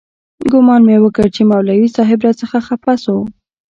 ګومان مې وکړ چې مولوي صاحب راڅخه خپه سو.